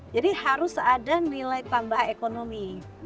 jadi harus ada nilai tambah ekonomi